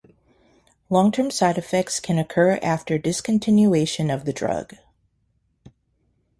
Long term side effects can occur after discontinuation of the drug.